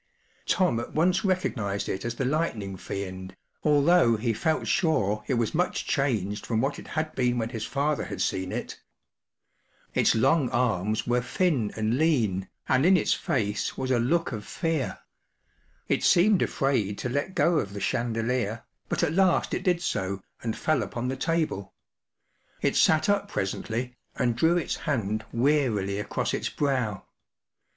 Tom at once re¬ cognised it as the Lightning Fiend, although he felt sure it was much changed from what it had been when his father had seen it* Its long arms were thin and lean, and in its face was a look of fear* It seemed afraid to let go of the chandelier, but at last it did so, and fell upon the table* It sat up presently, and drew its hand wearily across its brow.